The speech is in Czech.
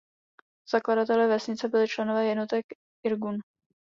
Zakladateli vesnice byli členové jednotek Irgun.